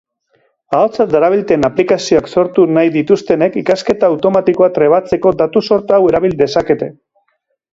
Ahotsa darabilten aplikazioak sortu nahi dituztenek ikasketa automatikoa trebatzeko datu-sorta hau erabil dezakete.